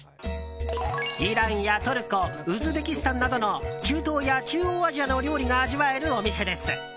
イランやトルコウズベキスタンなどの中東や中央アジアの料理が味わえるお店です。